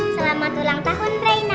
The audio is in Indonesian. selamat ulang tahun rena